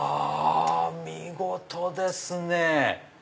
見事ですね！